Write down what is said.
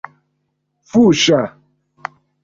fuŝa